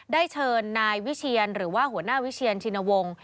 ได้เชิญนายวิเชียนหรือว่าหัวหน้าวิเชียนชินวงศ์